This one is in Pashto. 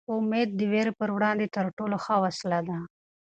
امېد د وېرې په وړاندې تر ټولو ښه وسله ده.